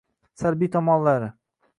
Salbiy tomonlari